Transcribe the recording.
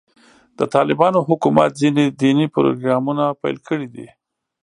د طالبانو حکومت ځینې دیني پروګرامونه پیل کړي دي.